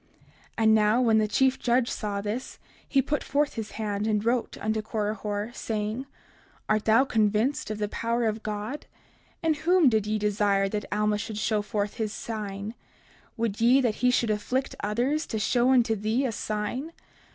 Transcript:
30:51 And now when the chief judge saw this, he put forth his hand and wrote unto Korihor, saying: Art thou convinced of the power of God? In whom did ye desire that Alma should show forth his sign? Would ye that he should afflict others, to show unto thee a sign?